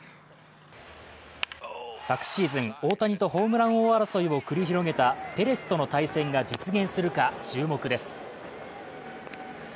昨シーズン、大谷とホームラン王争いを繰り広げたペレスとの対戦が実現するか注目です。